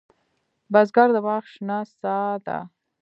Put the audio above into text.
بزګر د باغ شنه سا ده